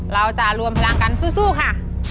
เราจะรวมพลังกันสู้ค่ะ